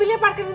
ini enggak bisa